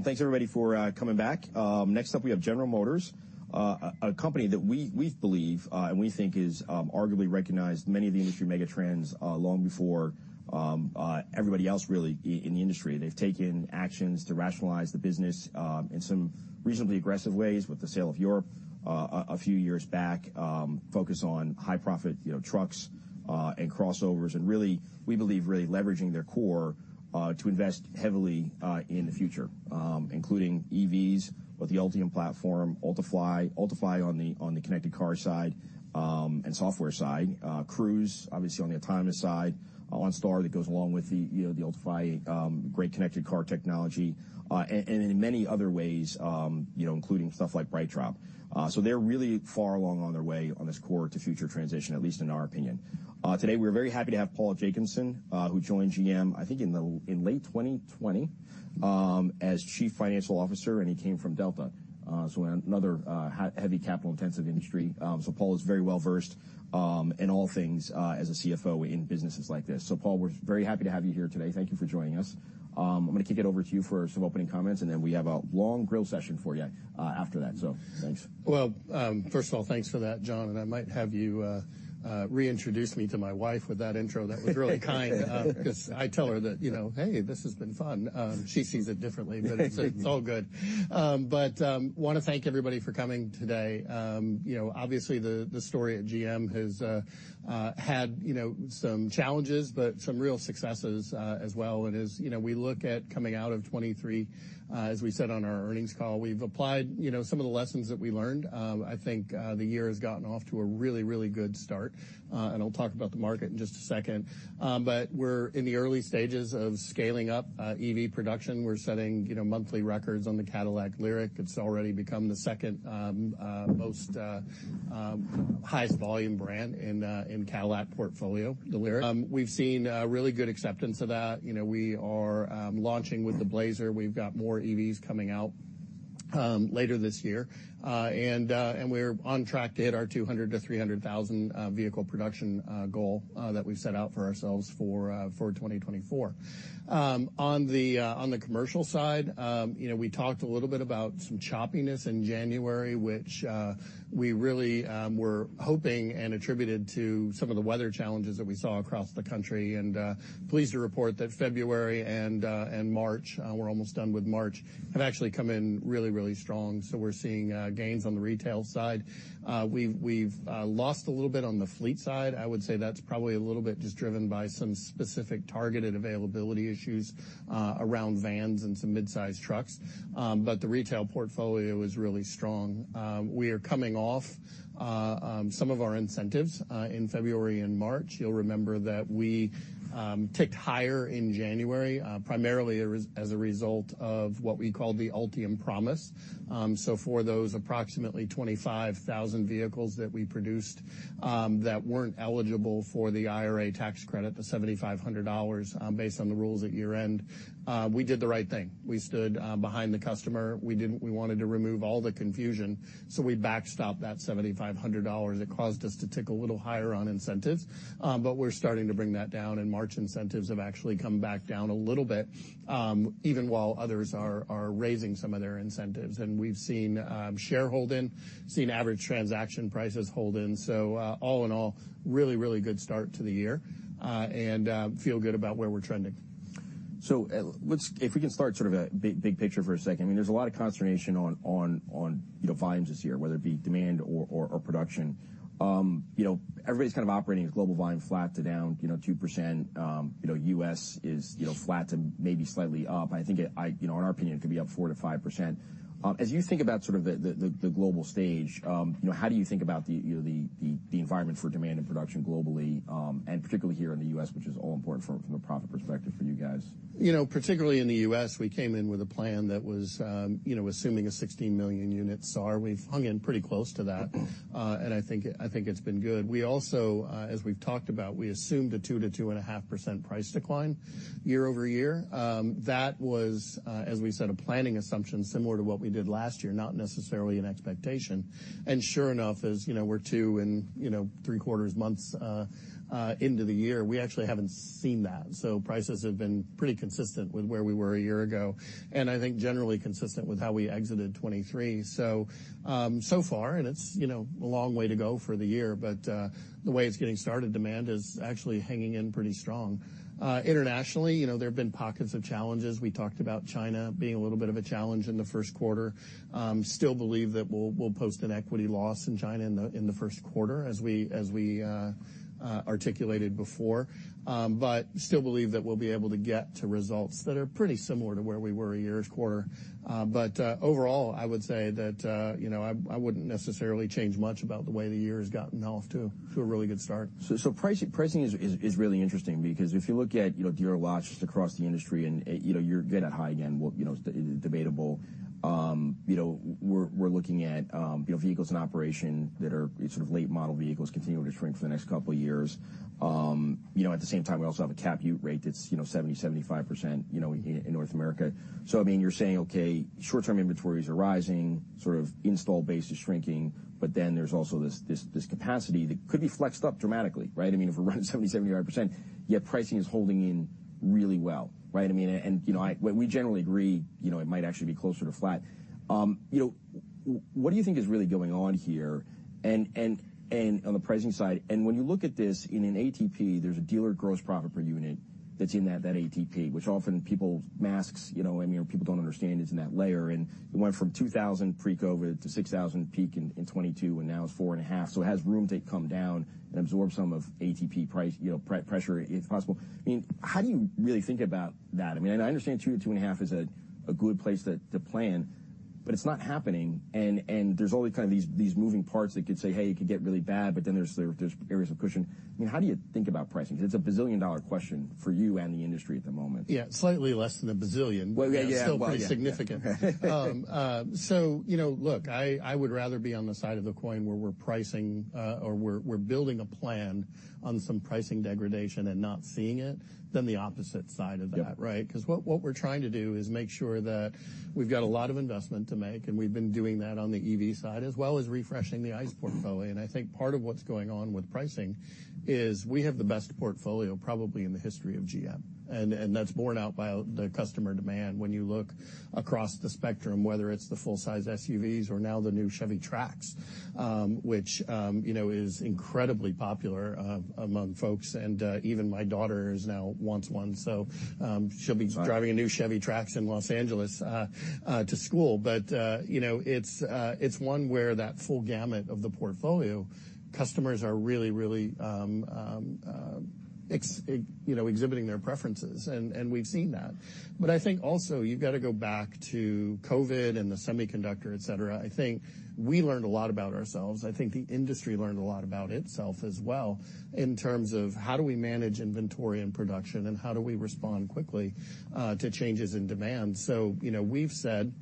Thanks, everybody, for coming back. Next up, we have General Motors, a company that we believe and we think is arguably recognized many of the industry mega trends long before everybody else really in the industry. They've taken actions to rationalize the business in some reasonably aggressive ways, with the sale of Europe a few years back, focus on high profit, you know, trucks and crossovers, and really, we believe, really leveraging their core to invest heavily in the future. Including EVs with the Ultium platform, Ultifi on the connected car side, and software side, Cruise, obviously, on the autonomous side, OnStar, that goes along with the, you know, the Ultifi, great connected car technology, and in many other ways, you know, including stuff like BrightDrop. So they're really far along on their way on this core to future transition, at least in our opinion. Today, we're very happy to have Paul Jacobson, who joined GM, I think, in late 2020, as Chief Financial Officer, and he came from Delta, so another heavy capital-intensive industry. So Paul is very well versed in all things as a CFO in businesses like this. So Paul, we're very happy to have you here today. Thank you for joining us. I'm gonna kick it over to you for some opening comments, and then we have a long grill session for you, after that, so thanks. Well, first of all, thanks for that, John, and I might have you reintroduce me to my wife with that intro. That was really kind, because I tell her that, "You know, hey, this has been fun." She sees it differently, but it's all good. But want to thank everybody for coming today. You know, obviously, the story at GM has had, you know, some challenges, but some real successes, as well. And as you know, we look at coming out of 2023, as we said on our earnings call, we've applied, you know, some of the lessons that we learned. I think the year has gotten off to a really, really good start, and I'll talk about the market in just a second. But we're in the early stages of scaling up EV production. We're setting, you know, monthly records on the Cadillac LYRIQ. It's already become the second most highest volume brand in Cadillac portfolio, the LYRIQ. We've seen really good acceptance of that. You know, we are launching with the Blazer. We've got more EVs coming out later this year. And we're on track to hit our 200,000-300,000 vehicle production goal that we've set out for ourselves for 2024. On the commercial side, you know, we talked a little bit about some choppiness in January, which we really were hoping and attributed to some of the weather challenges that we saw across the country. Pleased to report that February and and March, we're almost done with March, have actually come in really, really strong, so we're seeing gains on the retail side. We've lost a little bit on the fleet side. I would say that's probably a little bit just driven by some specific targeted availability issues around vans and some mid-size trucks. But the retail portfolio is really strong. We are coming off some of our incentives in February and March. You'll remember that we ticked higher in January primarily as a result of what we call the Ultium Promise. So for those approximately 25,000 vehicles that we produced, that weren't eligible for the IRA tax credit, the $7,500, based on the rules at year-end, we did the right thing. We stood behind the customer. We didn't, we wanted to remove all the confusion, so we backstopped that $7,500. It caused us to tick a little higher on incentives, but we're starting to bring that down, and March incentives have actually come back down a little bit, even while others are raising some of their incentives. And we've seen share hold in, seen average transaction prices hold in. So all in all, really, really good start to the year, and feel good about where we're trending. So, let's. If we can start sort of a big, big picture for a second. I mean, there's a lot of consternation on, you know, volumes this year, whether it be demand or production. You know, everybody's kind of operating a global volume flat to down, you know, 2%. You know, U.S. is, you know, flat to maybe slightly up. I think it. You know, in our opinion, it could be up 4%-5%. As you think about sort of the global stage, you know, how do you think about the, you know, the environment for demand and production globally, and particularly here in the U.S., which is all important from a profit perspective for you guys? You know, particularly in the U.S., we came in with a plan that was, you know, assuming a 16 million unit SAAR. We've hung in pretty close to that, and I think, I think it's been good. We also, as we've talked about, we assumed a 2%-2.5% price decline year-over-year. That was, as we said, a planning assumption similar to what we did last year, not necessarily an expectation. And sure enough, as, you know, we're two and three quarters months into the year, we actually haven't seen that. So prices have been pretty consistent with where we were a year ago, and I think generally consistent with how we exited 2023. So, so far, and it's, you know, a long way to go for the year, but the way it's getting started, demand is actually hanging in pretty strong. Internationally, you know, there have been pockets of challenges. We talked about China being a little bit of a challenge in the first quarter. Still believe that we'll post an equity loss in China in the first quarter, as we articulated before. But still believe that we'll be able to get to results that are pretty similar to where we were a year-ago quarter. But overall, I would say that, you know, I wouldn't necessarily change much about the way the year has gotten off to a really good start. So, pricing is really interesting because if you look at, you know, dealer lots across the industry, and, you know, you're good at high end, well, you know, it's debatable. You know, we're looking at, you know, vehicles in operation that are sort of late model vehicles continuing to shrink for the next couple of years. You know, at the same time, we also have a capacity utilization rate that's, you know, 70%-75%, you know, in North America. So I mean, you're saying, okay, short-term inventories are rising, sort of installed base is shrinking, but then there's also this capacity that could be flexed up dramatically, right? I mean, if we're running 70%-75%, yet pricing is holding in really well, right? I mean, and, you know, I. We generally agree, you know, it might actually be closer to flat. You know, what do you think is really going on here? And on the pricing side, and when you look at this in an ATP, there's a dealer gross profit per unit that's in that ATP, which often people masks, you know, I mean, people don't understand it's in that leg. It went from $2,000 pre-COVID to $6,000 peak in 2022, and now it's $4,500. So it has room to come down and absorb some of ATP price, you know, price pressure, if possible. I mean, how do you really think about that? I mean, and I understand 2-2.5 is a good place to plan, but it's not happening, and there's always kind of these moving parts that could say, "Hey, it could get really bad," but then there's areas of cushion. I mean, how do you think about pricing? It's a bazillion-dollar question for you and the industry at the moment. Yeah, slightly less than a bazillion. Well, yeah, yeah. But still pretty significant. So, you know, look, I would rather be on the side of the coin where we're pricing or we're building a plan on some pricing degradation and not seeing it than the opposite side of that. Right? 'Cause what, what we're trying to do is make sure that we've got a lot of investment to make, and we've been doing that on the EV side, as well as refreshing the ICE portfolio. And I think part of what's going on with pricing is we have the best portfolio probably in the history of GM, and, and that's borne out by the customer demand. When you look across the spectrum, whether it's the full-size SUVs or now the new Chevy Trax, which, you know, is incredibly popular among folks, and, even my daughter now wants one, so, She'll be driving a new Chevy Trax in Los Angeles to school. But you know, it's one where that full gamut of the portfolio, customers are really, really exhibiting their preferences, and we've seen that. But I think also you've got to go back to COVID and the semiconductor, et cetera. I think we learned a lot about ourselves. I think the industry learned a lot about itself as well in terms of how do we manage inventory and production, and how do we respond quickly to changes in demand? So, you know, we've said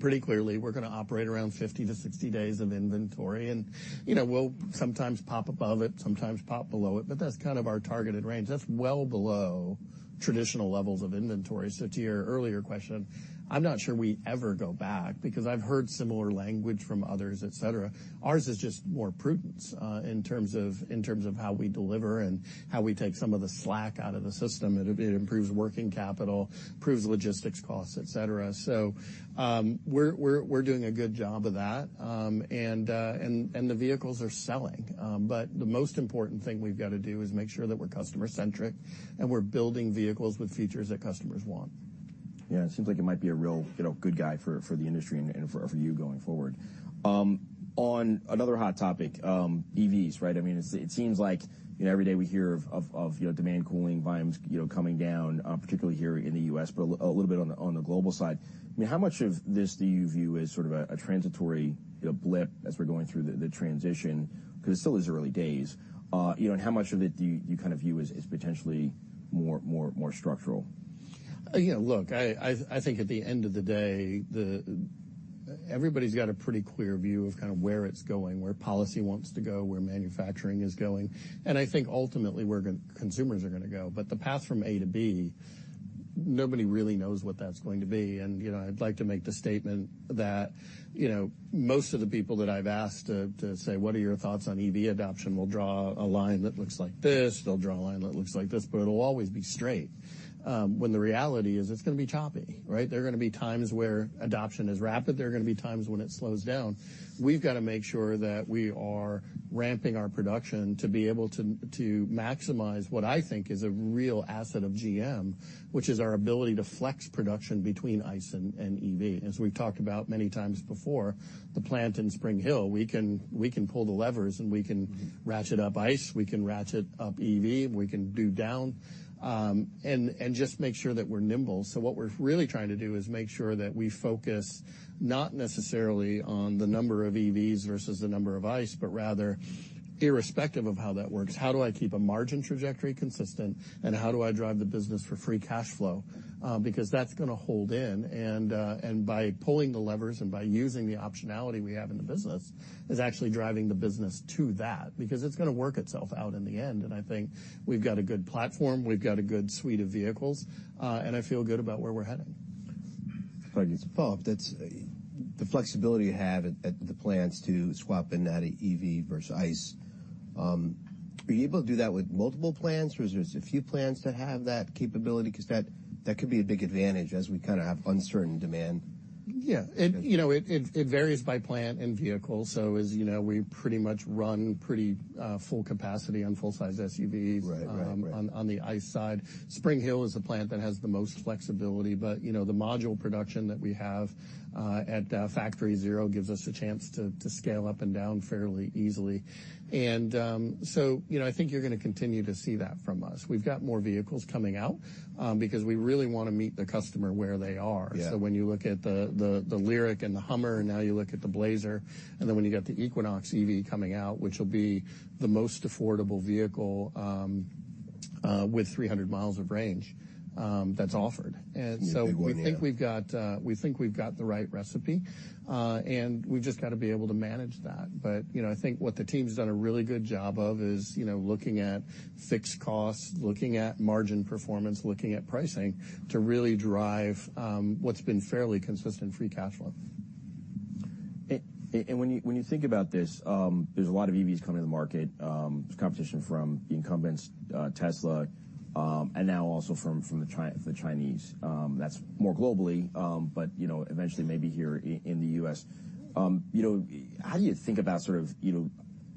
pretty clearly we're gonna operate around 50-60 days of inventory, and, you know, we'll sometimes pop above it, sometimes pop below it, but that's kind of our targeted range. That's well below traditional levels of inventory. So to your earlier question, I'm not sure we ever go back because I've heard similar language from others, et cetera. Ours is just more prudence in terms of how we deliver and how we take some of the slack out of the system. It improves working capital, improves logistics costs, et cetera. So, we're doing a good job of that. And the vehicles are selling. But the most important thing we've got to do is make sure that we're customer-centric, and we're building vehicles with features that customers want. Yeah, it seems like it might be a real, you know, good guide for the industry and for you going forward. On another hot topic, EVs, right? I mean, it seems like, you know, every day we hear of, you know, demand cooling, volumes, you know, coming down, particularly here in the U.S., but a little bit on the global side. I mean, how much of this do you view as sort of a transitory, you know, blip as we're going through the transition? 'Cause it still is early days. You know, and how much of it do you kind of view as potentially more structural? You know, look, I think at the end of the day, everybody's got a pretty clear view of kind of where it's going, where policy wants to go, where manufacturing is going, and I think ultimately, where consumers are gonna go. But the path from A to B, nobody really knows what that's going to be, and, you know, I'd like to make the statement that, you know, most of the people that I've asked to say, "What are your thoughts on EV adoption?" will draw a line that looks like this. They'll draw a line that looks like this, but it'll always be straight, when the reality is it's gonna be choppy, right? There are gonna be times where adoption is rapid. There are gonna be times when it slows down. We've got to make sure that we are ramping our production to be able to maximize what I think is a real asset of GM, which is our ability to flex production between ICE and EV. As we've talked about many times before, the plant in Spring Hill, we can pull the levers, and we can ratchet up ICE, we can ratchet up EV, we can do down, and just make sure that we're nimble. So what we're really trying to do is make sure that we focus not necessarily on the number of EVs versus the number of ICE, but rather, irrespective of how that works, how do I keep a margin trajectory consistent, and how do I drive the business for free cash flow? Because that's gonna hold in, and by pulling the levers and by using the optionality we have in the business, is actually driving the business to that because it's gonna work itself out in the end. And I think we've got a good platform, we've got a good suite of vehicles, and I feel good about where we're heading. If I could follow up, that's the flexibility you have at the plants to swap in and out of EV versus ICE. Are you able to do that with multiple plants, or is there a few plants that have that capability? 'Cause that could be a big advantage as we kind of have uncertain demand. Yeah, you know, it varies by plant and vehicle, so as you know, we pretty much run pretty full capacity on full-size SUVs- Right, right, right. On, on the ICE side. Spring Hill is the plant that has the most flexibility, but, you know, the module production that we have, at, Factory ZERO gives us a chance to, to scale up and down fairly easily. And, so, you know, I think you're gonna continue to see that from us. We've got more vehicles coming out, because we really want to meet the customer where they are. Yeah. So when you look at the LYRIQ and the Hummer, and now you look at the Blazer, and then when you've got the Equinox EV coming out, which will be the most affordable vehicle with 300 mi of range, that's offered. And so- Big one, yeah We think we've got the right recipe, and we've just got to be able to manage that. But, you know, I think what the team's done a really good job of is, you know, looking at fixed costs, looking at margin performance, looking at pricing to really drive what's been fairly consistent free cash flow. And when you, when you think about this, there's a lot of EVs coming to the market, there's competition from the incumbents, Tesla, and now also from, from the Chinese. That's more globally, but, you know, eventually maybe here in the U.S. You know, how do you think about sort of, you know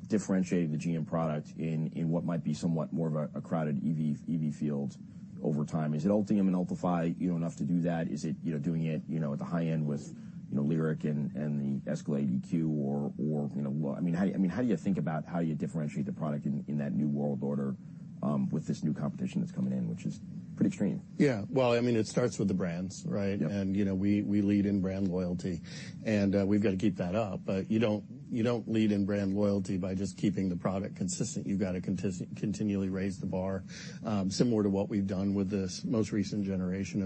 differentiating the GM product in, in what might be somewhat more of a, a crowded EV, EV field over time? Is it Ultium and Ultifi, you know, enough to do that? Is it, you know, doing it, you know, at the high end with, you know, Lyriq and, and the Escalade IQ or, or, you know, what? I mean, how do you, I mean, how do you think about how you differentiate the product in, in that new world order, with this new competition that's coming in, which is pretty extreme? Yeah. Well, I mean, it starts with the brands, right? Yep. You know, we lead in brand loyalty, and we've got to keep that up. But you don't, you don't lead in brand loyalty by just keeping the product consistent. You've got to continually raise the bar, similar to what we've done with this most recent generation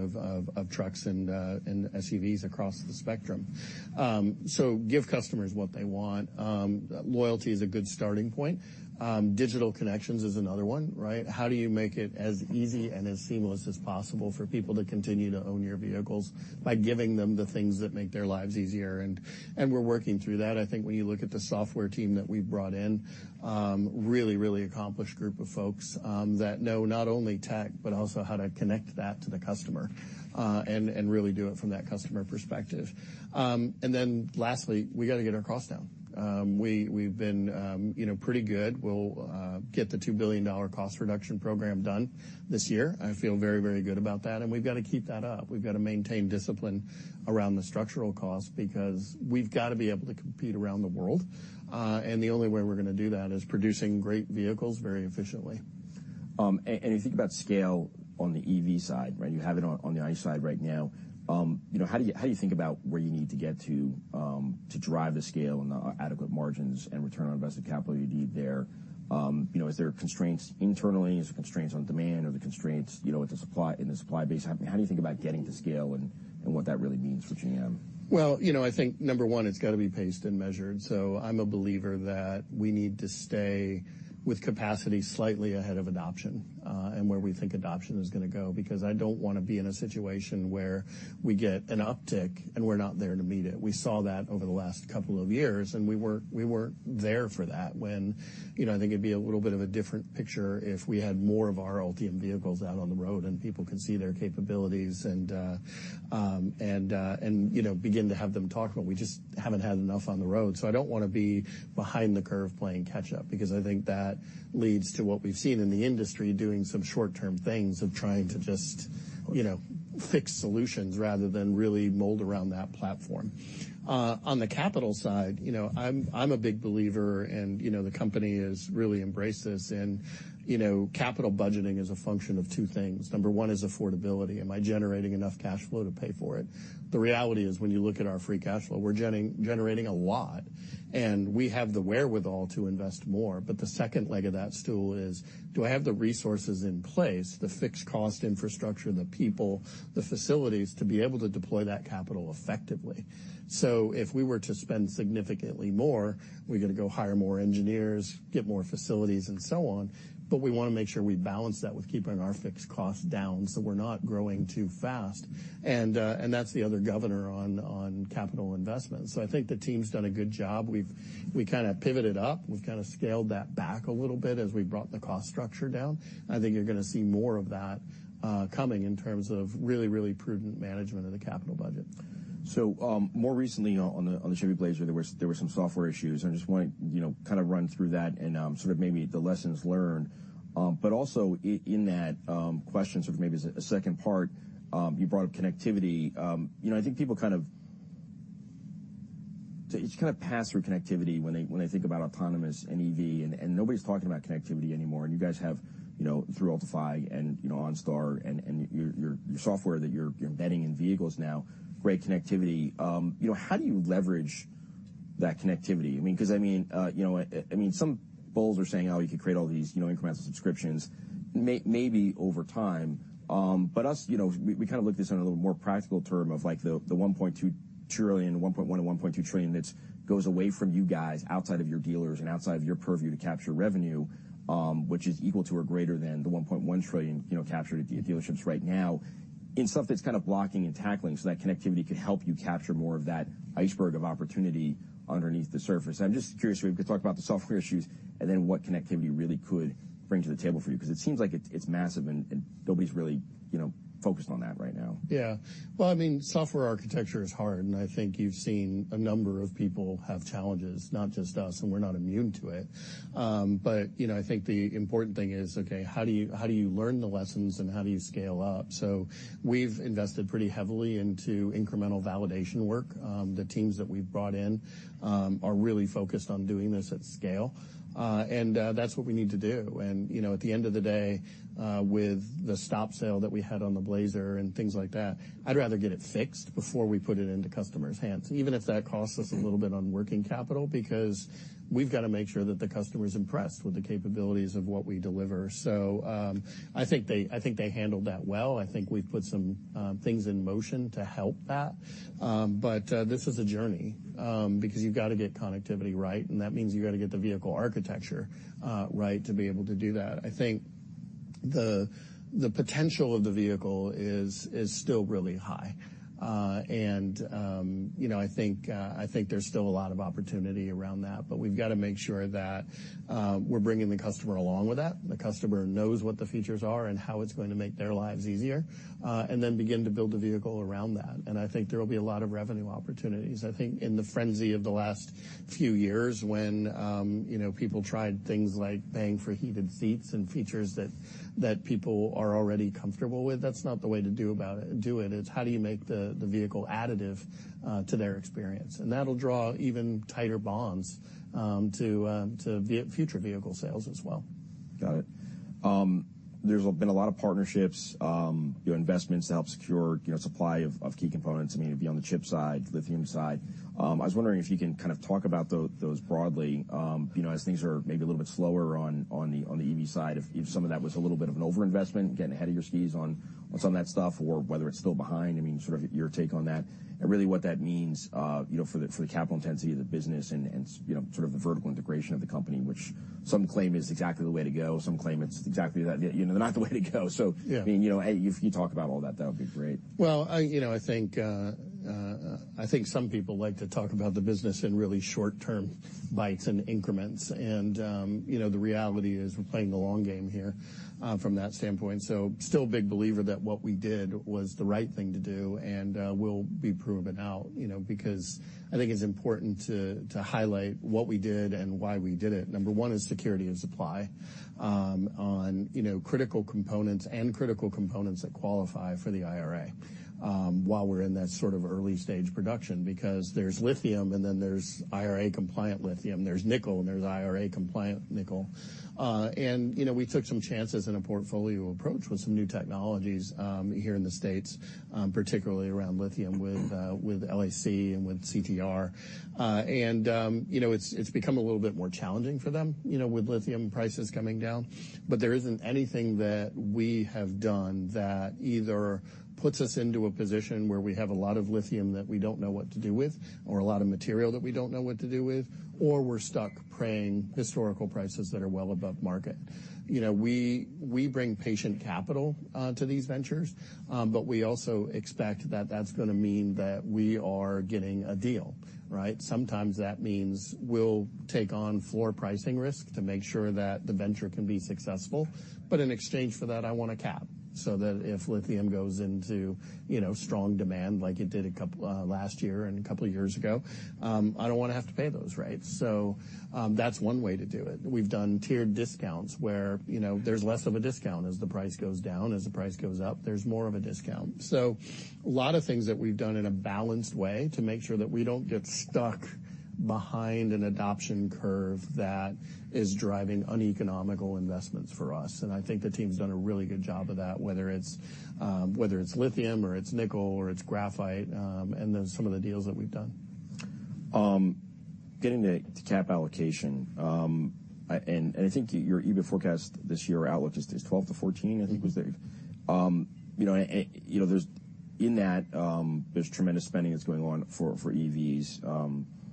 of trucks and SUVs across the spectrum. So give customers what they want. Loyalty is a good starting point. Digital connections is another one, right? How do you make it as easy and as seamless as possible for people to continue to own your vehicles? By giving them the things that make their lives easier, and we're working through that. I think when you look at the software team that we've brought in, really, really accomplished group of folks, that know not only tech, but also how to connect that to the customer, and really do it from that customer perspective. And then lastly, we got to get our costs down. We've been, you know, pretty good. We'll get the $2 billion cost reduction program done this year. I feel very, very good about that, and we've got to keep that up. We've got to maintain discipline around the structural costs because we've got to be able to compete around the world, and the only way we're going to do that is producing great vehicles very efficiently. You think about scale on the EV side, right? You have it on the ICE side right now. You know, how do you think about where you need to get to to drive the scale and the adequate margins and return on invested capital you need there? You know, is there constraints internally? Is there constraints on demand or the constraints, you know, with the supply in the supply base? How do you think about getting to scale and what that really means for GM? Well, you know, I think, number one, it's got to be paced and measured. So I'm a believer that we need to stay with capacity slightly ahead of adoption, and where we think adoption is going to go. Because I don't want to be in a situation where we get an uptick, and we're not there to meet it. We saw that over the last couple of years, and we weren't, we weren't there for that when. You know, I think it'd be a little bit of a different picture if we had more of our Ultium vehicles out on the road and people could see their capabilities and, you know, begin to have them talk about. We just haven't had enough on the road. So I don't want to be behind the curve playing catch up because I think that leads to what we've seen in the industry, doing some short-term things of trying to just, you know, fix solutions rather than really mold around that platform. On the capital side, you know, I'm a big believer, and, you know, the company has really embraced this. And, you know, capital budgeting is a function of two things. Number one is affordability. Am I generating enough cash flow to pay for it? The reality is, when you look at our free cash flow, we're generating a lot, and we have the wherewithal to invest more. But the second leg of that stool is, do I have the resources in place, the fixed cost infrastructure, the people, the facilities, to be able to deploy that capital effectively? So if we were to spend significantly more, we've got to go hire more engineers, get more facilities, and so on, but we want to make sure we balance that with keeping our fixed costs down, so we're not growing too fast. And, and that's the other governor on capital investments. So I think the team's done a good job. We've kind of pivoted up. We've kind of scaled that back a little bit as we brought the cost structure down. I think you're going to see more of that, coming in terms of really, really prudent management of the capital budget. So, more recently on the, on the Chevy Blazer, there was, there were some software issues. I just want, you know, kind of run through that and, sort of maybe the lessons learned. But also in that, question, sort of maybe as a second part, you brought up connectivity. You know, I think people kind of. They just kind of pass through connectivity when they, when they think about autonomous and EV, and, and nobody's talking about connectivity anymore. And you guys have, you know, through Ultifi and, you know, OnStar, and, and your, your, your software that you're, you're embedding in vehicles now, great connectivity. You know, how do you leverage that connectivity? I mean, because, I mean, you know, I mean, some bulls are saying, "Oh, you could create all these, you know, incremental subscriptions," maybe over time. But us, you know, we, we kind of look at this on a little more practical term of, like, the $1.2 trillion, $1.1 trillion-$1.2 trillion that goes away from you guys outside of your dealers and outside of your purview to capture revenue, which is equal to or greater than the $1.1 trillion, you know, captured at the dealerships right now in stuff that's kind of blocking and tackling. So that connectivity could help you capture more of that iceberg of opportunity underneath the surface. I'm just curious, we could talk about the software issues and then what connectivity really could bring to the table for you, because it seems like it's massive, and nobody's really, you know, focused on that right now. Yeah. Well, I mean, software architecture is hard, and I think you've seen a number of people have challenges, not just us, and we're not immune to it. But, you know, I think the important thing is, okay, how do you, how do you learn the lessons, and how do you scale up? So we've invested pretty heavily into incremental validation work. The teams that we've brought in are really focused on doing this at scale, and that's what we need to do. And, you know, at the end of the day, with the stop sale that we had on the Blazer and things like that, I'd rather get it fixed before we put it into customers' hands, even if that costs us a little bit on working capital. Because we've got to make sure that the customer is impressed with the capabilities of what we deliver. So, I think they handled that well. I think we've put some things in motion to help that. But this is a journey, because you've got to get connectivity right, and that means you've got to get the vehicle architecture right to be able to do that. I think the potential of the vehicle is still really high. And you know, I think there's still a lot of opportunity around that, but we've gotta make sure that we're bringing the customer along with that. The customer knows what the features are and how it's going to make their lives easier, and then begin to build the vehicle around that. I think there will be a lot of revenue opportunities. I think in the frenzy of the last few years when, you know, people tried things like paying for heated seats and features that people are already comfortable with, that's not the way to do it. It's how do you make the vehicle additive to their experience? That'll draw even tighter bonds to future vehicle sales as well. Got it. There's been a lot of partnerships, your investments to help secure, you know, supply of key components, I mean, be it on the chip side, lithium side. I was wondering if you can kind of talk about those broadly, you know, as things are maybe a little bit slower on the EV side, if some of that was a little bit of an overinvestment, getting ahead of your skis on some of that stuff, or whether it's still behind, I mean, sort of your take on that. And really, what that means, you know, for the capital intensity of the business and, you know, sort of the vertical integration of the company, which some claim is exactly the way to go. Some claim it's exactly that, you know, not the way to go. So Yeah. I mean, you know, if you talk about all that, that would be great. Well, you know, I think some people like to talk about the business in really short-term bites and increments, and, you know, the reality is we're playing the long game here, from that standpoint. So still a big believer that what we did was the right thing to do, and will be proven out, you know, because I think it's important to highlight what we did and why we did it. Number one is security of supply, on, you know, critical components and critical components that qualify for the IRA, while we're in that sort of early-stage production, because there's lithium, and then there's IRA-compliant lithium. There's nickel, and there's IRA-compliant nickel. And, you know, we took some chances in a portfolio approach with some new technologies here in the States, particularly around lithium, with LAC and with CTR. And, you know, it's become a little bit more challenging for them, you know, with lithium prices coming down. But there isn't anything that we have done that either puts us into a position where we have a lot of lithium that we don't know what to do with, or a lot of material that we don't know what to do with, or we're stuck paying historical prices that are well above market. You know, we bring patient capital to these ventures, but we also expect that that's gonna mean that we are getting a deal, right? Sometimes that means we'll take on floor pricing risk to make sure that the venture can be successful, but in exchange for that, I want a cap, so that if lithium goes into, you know, strong demand, like it did a couple last year and a couple of years ago, I don't wanna have to pay those rates. So, that's one way to do it. We've done tiered discounts where, you know, there's less of a discount as the price goes down. As the price goes up, there's more of a discount. So a lot of things that we've done in a balanced way to make sure that we don't get stuck behind an adoption curve that is driving uneconomical investments for us. I think the team's done a really good job of that, whether it's lithium or it's nickel or it's graphite, and then some of the deals that we've done. Getting to CapEx allocation, and I think your EBIT forecast this year outlook is 12-14, I think, you know, there's tremendous spending that's going on for EVs.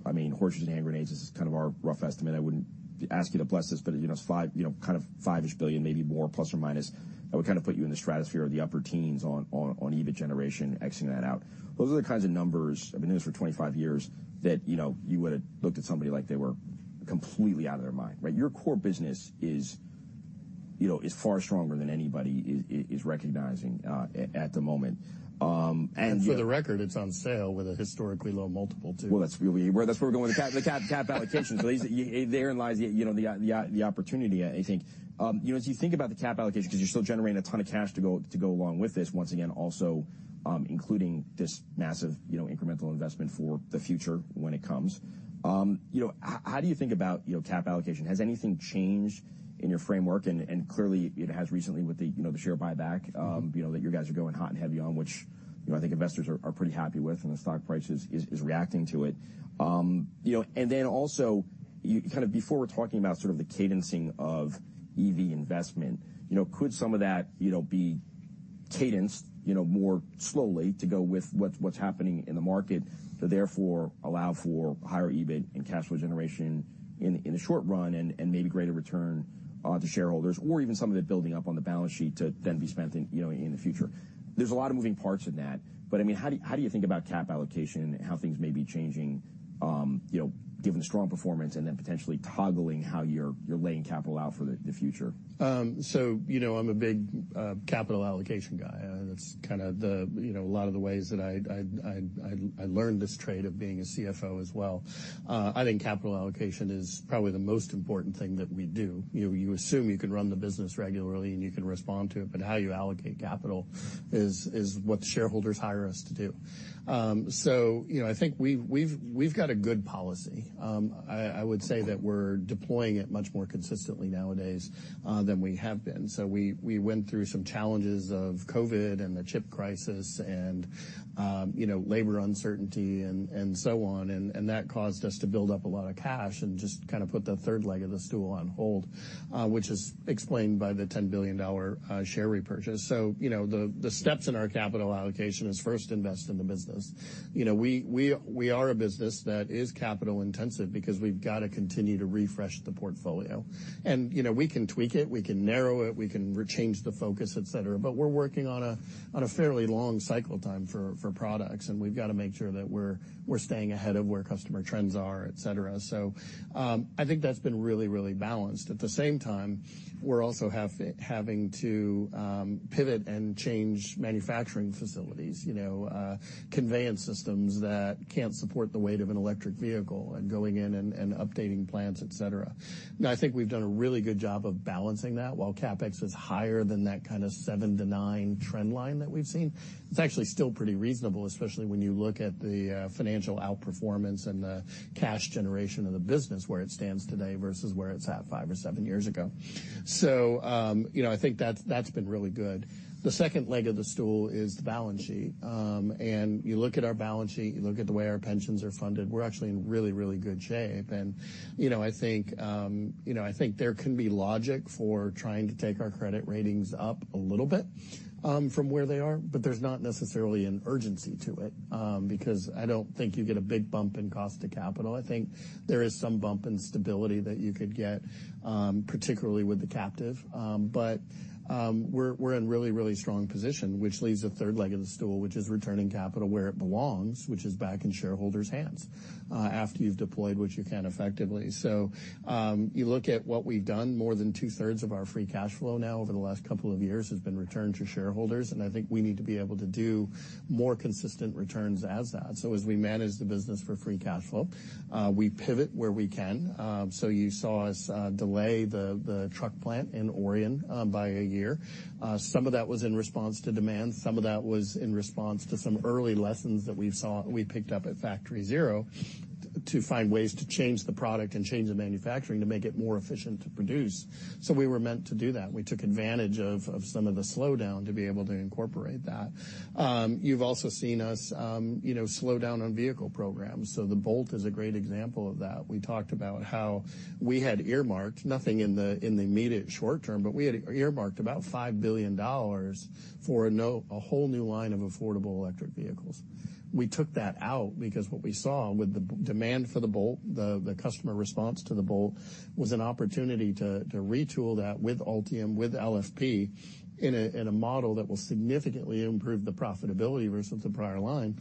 I mean, horses and hand grenades is kind of our rough estimate. I wouldn't ask you to bless this, but, you know, it's 5, you know, kind of 5-ish billion, maybe more, plus or minus. That would kind of put you in the stratosphere of the upper teens on EBIT generation, exiting that out. Those are the kinds of numbers, I've been doing this for 25 years, that, you know, you would've looked at somebody like they were completely out of their mind, right? Your core business is, you know, far stronger than anybody is recognizing at the moment. For the record, it's on sale with a historically low multiple, too. Well, that's really where we're going with the CapEx allocation. So these, therein lies the, you know, the opportunity, I think. You know, as you think about the CapEx allocation, because you're still generating a ton of cash to go along with this, once again, also, including this massive, you know, incremental investment for the future when it comes. You know, how do you think about, you know, CapEx allocation? Has anything changed in your framework? And clearly, it has recently with the, you know, the share buyback, you know, that you guys are going hot and heavy on which, you know, I think investors are pretty happy with, and the stock price is reacting to it. You know, and then also, you kind of before we're talking about sort of the cadencing of EV investment, you know, could some of that, you know, be cadenced, you know, more slowly to go with what's happening in the market, to therefore allow for higher EBIT and cash flow generation in the short run and maybe greater return to shareholders, or even some of it building up on the balance sheet to then be spent in, you know, in the future? There's a lot of moving parts in that, but, I mean, how do you think about cap allocation and how things may be changing, you know, given the strong performance and then potentially toggling how you're laying capital out for the future? So, you know, I'm a big capital allocation guy. That's kind of the, you know, a lot of the ways that I learned this trade of being a CFO as well. I think capital allocation is probably the most important thing that we do. You know, you assume you can run the business regularly, and you can respond to it, but how you allocate capital is what the shareholders hire us to do. So, you know, I think we've got a good policy. I would say that we're deploying it much more consistently nowadays than we have been. So we went through some challenges of COVID and the chip crisis and, you know, labor uncertainty and so on. That caused us to build up a lot of cash and just kind of put the third leg of the stool on hold, which is explained by the $10 billion share repurchase. So, you know, the steps in our capital allocation is, first, invest in the business. You know, we are a business that is capital intensive because we've got to continue to refresh the portfolio. And, you know, we can tweak it, we can narrow it, we can rechange the focus, et cetera, but we're working on a fairly long cycle time for products, and we've got to make sure that we're staying ahead of where customer trends are, etc. So, I think that's been really, really balanced. At the same time, we're also having to pivot and change manufacturing facilities, you know, conveyance systems that can't support the weight of an electric vehicle and going in and updating plants, et cetera. And I think we've done a really good job of balancing that. While CapEx was higher than that kind of 7-9 trend line that we've seen, it's actually still pretty reasonable, especially when you look at the financial outperformance and the cash generation of the business, where it stands today versus where it's at 5 or 7 years ago. So, you know, I think that's been really good. The second leg of the stool is the balance sheet. And you look at our balance sheet, you look at the way our pensions are funded, we're actually in really, really good shape. You know, I think, you know, I think there can be logic for trying to take our credit ratings up a little bit, from where they are, but there's not necessarily an urgency to it. Because I don't think you get a big bump in cost of capital. I think there is some bump in stability that you could get, particularly with the captive. But we're in really, really strong position, which leaves the third leg of the stool, which is returning capital where it belongs, which is back in shareholders' hands, after you've deployed what you can effectively. So, you look at what we've done, more than two-thirds of our free cash flow now over the last couple of years has been returned to shareholders, and I think we need to be able to do more consistent returns as that. So as we manage the business for free cash flow, we pivot where we can. So you saw us delay the truck plant in Orion by a year. Some of that was in response to demand, some of that was in response to some early lessons that we saw, we picked up at Factory ZERO, to find ways to change the product and change the manufacturing to make it more efficient to produce. So we were meant to do that, and we took advantage of some of the slowdown to be able to incorporate that. You've also seen us, you know, slow down on vehicle programs. So the Bolt is a great example of that. We talked about how we had earmarked nothing in the immediate short term, but we had earmarked about $5 billion for a whole new line of affordable electric vehicles. We took that out because what we saw with the demand for the Bolt, the customer response to the Bolt, was an opportunity to retool that with Ultium, with LFP, in a model that will significantly improve the profitability versus the prior line.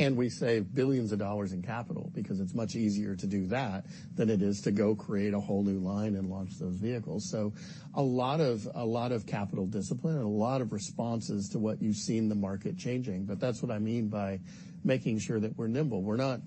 And we saved $ billions in capital because it's much easier to do that than it is to go create a whole new line and launch those vehicles. So a lot of, a lot of capital discipline and a lot of responses to what you've seen the market changing, but that's what I mean by making sure that we're nimble. We're not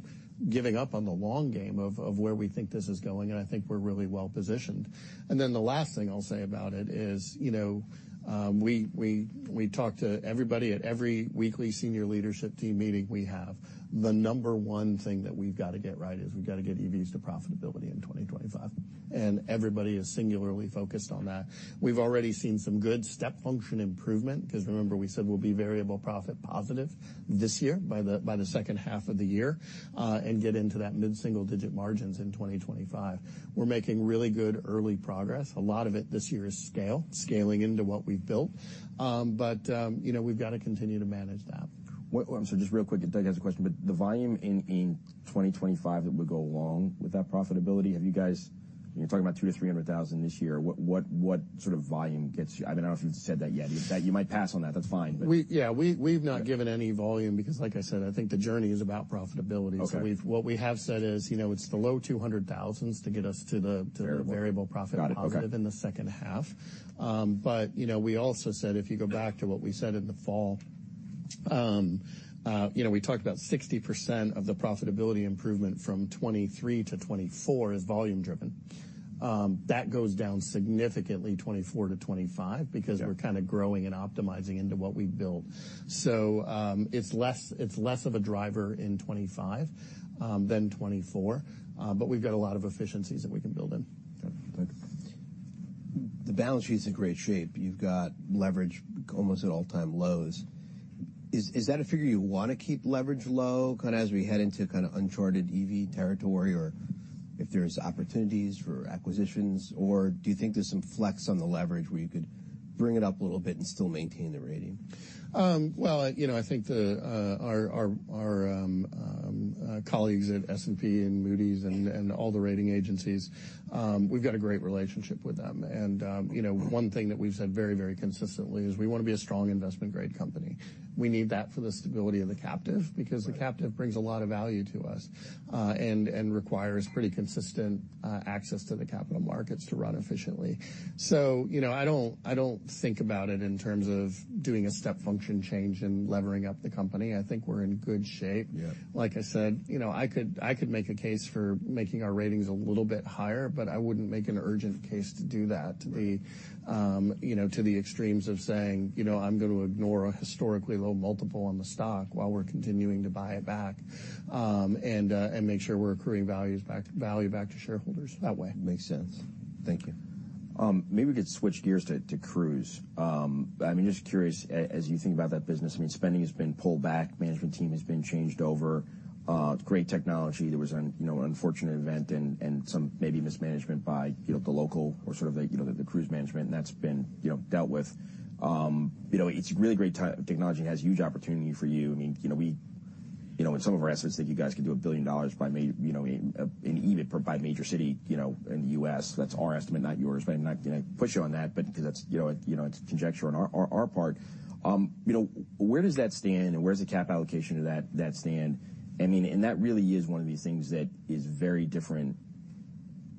giving up on the long game of, of where we think this is going, and I think we're really well positioned. And then the last thing I'll say about it is, you know, we talk to everybody at every weekly senior leadership team meeting we have. The number one thing that we've got to get right is we've got to get EVs to profitability in 2025, and everybody is singularly focused on that. We've already seen some good step function improvement, because remember, we said we'll be variable profit positive this year by the second half of the year, and get into that mid-single-digit margins in 2025. We're making really good early progress. A lot of it this year is scale, scaling into what we've built. But, you know, we've got to continue to manage that. Well, so just real quick, Doug has a question, but the volume in 2025 that would go along with that profitability, have you guys. You're talking about 200,000-300,000 this year. What, what sort of volume gets you? I don't know if you've said that yet. You might pass on that. That's fine, but- Yeah, we've not given any volume because, like I said, I think the journey is about profitability. Okay. What we have said is, you know, it's the low 200 thousands to get us to the- Variable. Variable profit- Got it, okay. Positive in the second half. But, you know, we also said, if you go back to what we said in the fall, you know, we talked about 60% of the profitability improvement from 2023 to 2024 is volume driven. That goes down significantly 2024 to 2025 because we're kind of growing and optimizing into what we've built. So, it's less, it's less of a driver in 2025 than 2024, but we've got a lot of efficiencies that we can build in. Got it. Thanks. The balance sheet's in great shape. You've got leverage almost at all-time lows. Is that a figure you want to keep leverage low, kind of as we head into kind of uncharted EV territory, or if there's opportunities for acquisitions, or do you think there's some flex on the leverage where you could bring it up a little bit and still maintain the rating? Well, you know, I think our colleagues at S&P and Moody's and all the rating agencies, we've got a great relationship with them. You know, one thing that we've said very, very consistently is we want to be a strong investment-grade company. We need that for the stability of the captive, because the captive brings a lot of value to us and requires pretty consistent access to the capital markets to run efficiently. You know, I don't think about it in terms of doing a step function change and levering up the company. I think we're in good shape. Like I said, you know, I could, I could make a case for making our ratings a little bit higher, but I wouldn't make an urgent case to do that. Right. You know, to the extremes of saying, "You know, I'm going to ignore a historically low multiple on the stock while we're continuing to buy it back, and make sure we're accruing value back to shareholders that way. Makes sense. Thank you. Maybe we could switch gears to Cruise. I mean, just curious, as you think about that business, I mean, spending has been pulled back, management team has been changed over. Great technology. There was an unfortunate event and some maybe mismanagement by, you know, the local or sort of the Cruise management, and that's been, you know, dealt with. You know, it's really great technology and has huge opportunity for you. I mean, you know, we, you know, in some of our estimates that you guys could do $1 billion by May, you know, in EBIT by major city, you know, in the U.S. That's our estimate, not yours. But I'm not going to push you on that, but because that's, you know, you know, it's conjecture on our part. You know, where does that stand, and where does the CapEx allocation of that stand? I mean, and that really is one of these things that is very different,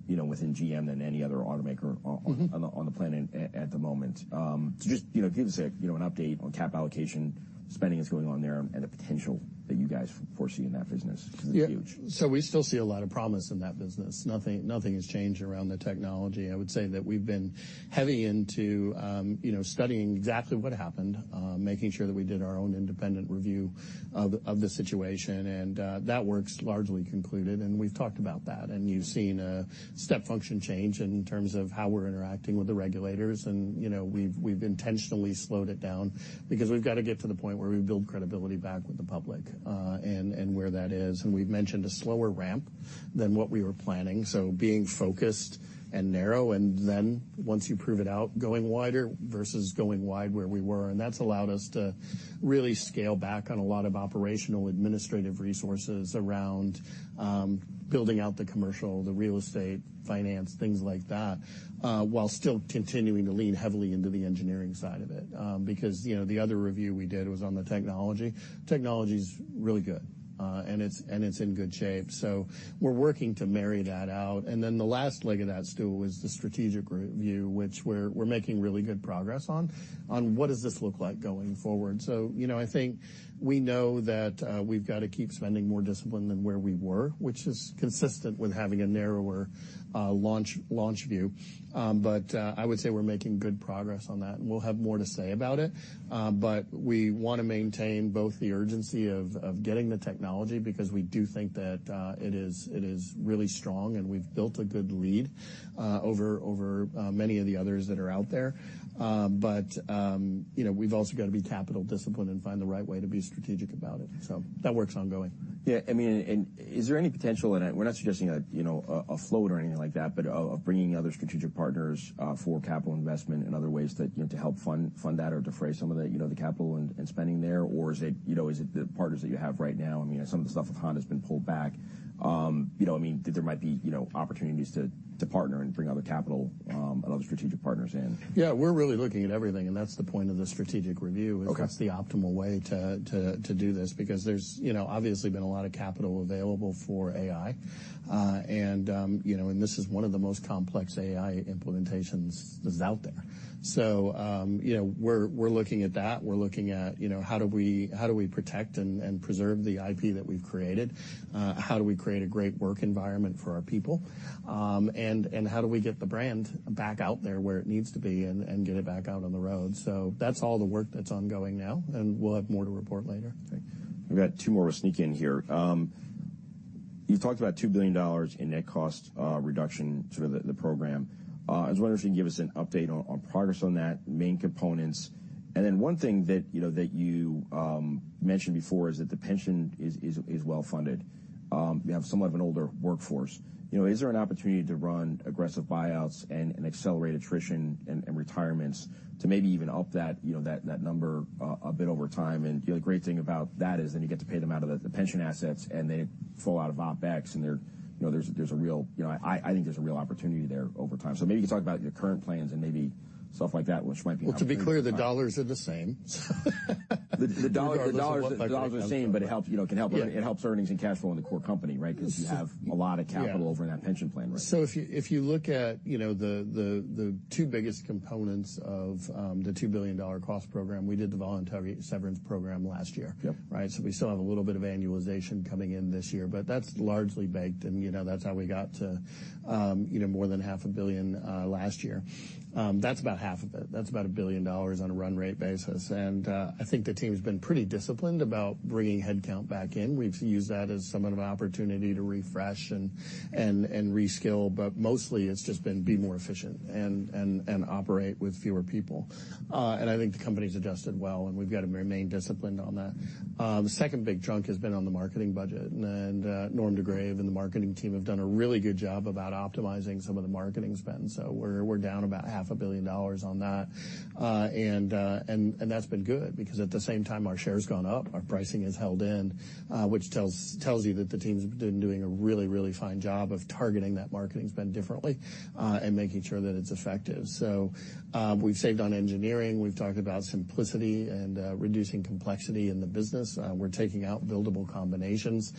you know, within GM than any other automaker. On the planet at the moment. So just, you know, give us a, you know, an update on cap allocation, spending that's going on there, and the potential that you guys foresee in that business, because it's huge? Yeah. So we still see a lot of promise in that business. Nothing, nothing has changed around the technology. I would say that we've been heavy into, you know, studying exactly what happened, making sure that we did our own independent review of, of the situation, and that work's largely concluded, and we've talked about that. And you've seen a step function change in terms of how we're interacting with the regulators, and, you know, we've, we've intentionally slowed it down because we've got to get to the point where we build credibility back with the public, and, and where that is. And we've mentioned a slower ramp than what we were planning, so being focused and narrow, and then once you prove it out, going wider versus going wide where we were. And that's allowed us to really scale back on a lot of operational administrative resources around, building out the commercial, the real estate, finance, things like that, while still continuing to lean heavily into the engineering side of it. Because, you know, the other review we did was on the technology. Technology's really good.... and it's, and it's in good shape. So we're working to marry that out, and then the last leg of that stool is the strategic review, which we're, we're making really good progress on, on what does this look like going forward? So, you know, I think we know that, we've got to keep spending more discipline than where we were, which is consistent with having a narrower, launch, launch view. But I would say we're making good progress on that, and we'll have more to say about it. But we wanna maintain both the urgency of getting the technology, because we do think that it is really strong, and we've built a good lead over many of the others that are out there. But you know, we've also got to be capital disciplined and find the right way to be strategic about it. So that work's ongoing. Yeah, I mean, and is there any potential, and we're not suggesting, you know, a float or anything like that, but of bringing other strategic partners for capital investment and other ways to, you know, to help fund that or defray some of the, you know, the capital and spending there? Or is it, you know, is it the partners that you have right now? I mean, some of the stuff with Honda has been pulled back. You know, I mean, there might be, you know, opportunities to partner and bring other capital and other strategic partners in. Yeah, we're really looking at everything, and that's the point of the strategic review. Okay. Is what's the optimal way to do this? Because there's, you know, obviously been a lot of capital available for AI. And, you know, this is one of the most complex AI implementations that's out there. So, you know, we're looking at that. We're looking at, you know, how do we protect and preserve the IP that we've created? How do we create a great work environment for our people? And how do we get the brand back out there where it needs to be and get it back out on the road? So that's all the work that's ongoing now, and we'll have more to report later. Okay. We've got two more to sneak in here. You've talked about $2 billion in net cost reduction through the program. I was wondering if you can give us an update on progress on that, main components. And then one thing that, you know, that you mentioned before is that the pension is well funded. You have somewhat of an older workforce. You know, is there an opportunity to run aggressive buyouts and accelerate attrition and retirements to maybe even up that, you know, that number a bit over time? And, you know, the great thing about that is then you get to pay them out of the pension assets, and they fall out of OpEx, and there, you know, there's a real... You know, I think there's a real opportunity there over time. So maybe you can talk about your current plans and maybe stuff like that, which might be- Well, to be clear, the dollars are the same. The dollar- Regardless of what- The dollars are the same, but it helps, you know, it can help- Yeah. It helps earnings and cash flow in the core company, right? Yes. Cause you have a lot of capital- Yeah Over in that pension plan, right? So if you look at, you know, the two biggest components of the $2 billion cost program, we did the voluntary severance program last year. Yep. Right? So we still have a little bit of annualization coming in this year, but that's largely baked, and, you know, that's how we got to, you know, more than $500 million last year. That's about half of it. That's about $1 billion on a run rate basis, and I think the team's been pretty disciplined about bringing headcount back in. We've used that as somewhat of an opportunity to refresh and, and, and reskill, but mostly it's just been be more efficient and, and, and operate with fewer people. And I think the company's adjusted well, and we've got to remain disciplined on that. The second big chunk has been on the marketing budget, and Norm de Greve and the marketing team have done a really good job about optimizing some of the marketing spend. So we're down about $500 million on that. That's been good because at the same time, our share's gone up, our pricing has held in, which tells you that the team's been doing a really fine job of targeting that marketing spend differently, and making sure that it's effective. So we've saved on engineering. We've talked about simplicity and reducing complexity in the business. We're taking out buildable combinations.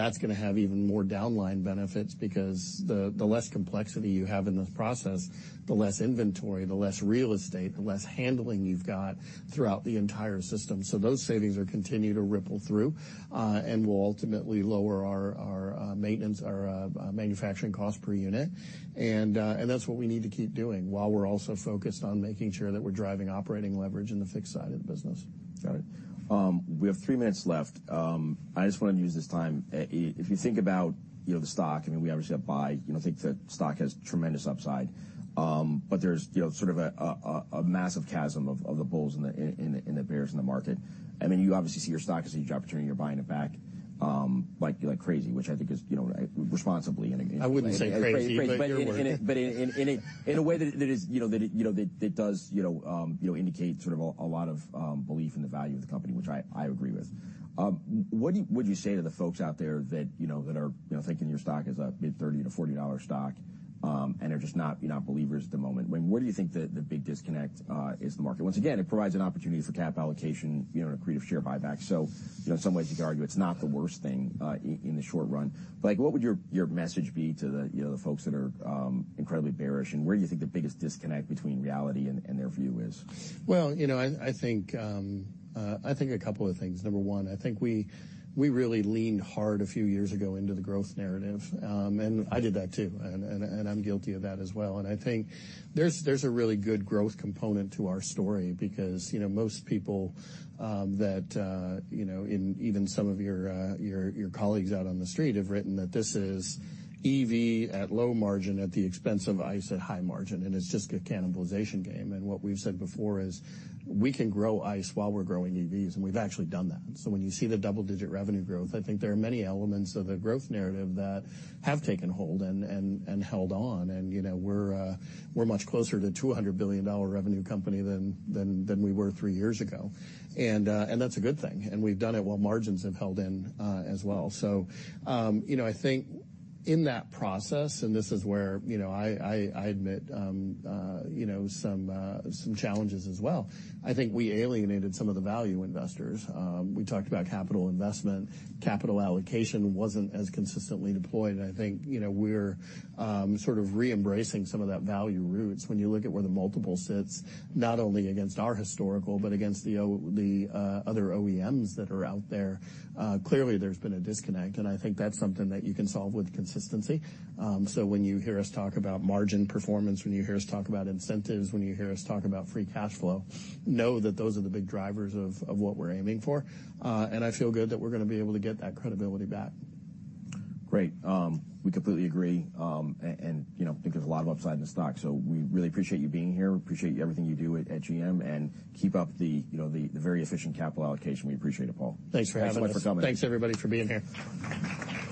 That's gonna have even more downline benefits because the less complexity you have in the process, the less inventory, the less real estate, the less handling you've got throughout the entire system. So those savings are continuing to ripple through, and will ultimately lower our maintenance, our manufacturing cost per unit. And that's what we need to keep doing while we're also focused on making sure that we're driving operating leverage in the fixed side of the business. Got it. We have three minutes left. I just want to use this time. If you think about, you know, the stock, I mean, we obviously have buy, you know, think the stock has tremendous upside. But there's, you know, sort of a massive chasm of the bulls and the bears in the market. I mean, you obviously see your stock as a huge opportunity. You're buying it back, like crazy, which I think is, you know, responsibly and- I wouldn't say crazy, but you would. But in a way that is, you know, that does, you know, indicate sort of a lot of belief in the value of the company, which I agree with. What would you say to the folks out there that, you know, are thinking your stock is a mid-$30 to $40 stock, and are just not, you know, believers at the moment? I mean, where do you think the big disconnect is the market? Once again, it provides an opportunity for capital allocation, you know, and accretive share buyback. So, you know, in some ways, you could argue it's not the worst thing in the short run. Like, what would your message be to the, you know, the folks that are incredibly bearish, and where do you think the biggest disconnect between reality and their view is? Well, you know, I think a couple of things. Number one, I think we really leaned hard a few years ago into the growth narrative. And I did that, too, and I'm guilty of that as well. And I think there's a really good growth component to our story because, you know, most people that you know, in even some of your colleagues out on The Street have written that this is EV at low margin at the expense of ICE at high margin, and it's just a cannibalization game. And what we've said before is we can grow ICE while we're growing EVs, and we've actually done that. So when you see the double-digit revenue growth, I think there are many elements of the growth narrative that have taken hold and held on. And, you know, we're much closer to $200 billion revenue company than we were three years ago. And that's a good thing, and we've done it while margins have held in as well. So, you know, I think in that process, and this is where, you know, I admit you know, some challenges as well. I think we alienated some of the value investors. We talked about capital investment. Capital allocation wasn't as consistently deployed, and I think, you know, we're sort of re-embracing some of that value roots. When you look at where the multiple sits, not only against our historical but against the other OEMs that are out there, clearly there's been a disconnect, and I think that's something that you can solve with consistency. So when you hear us talk about margin performance, when you hear us talk about incentives, when you hear us talk about free cash flow, know that those are the big drivers of what we're aiming for, and I feel good that we're gonna be able to get that credibility back. Great. We completely agree, and you know, think there's a lot of upside in the stock. So we really appreciate you being here. We appreciate everything you do at GM, and keep up the, you know, the very efficient capital allocation. We appreciate it, Paul. Thanks for having us. Thanks so much for coming. Thanks, everybody, for being here.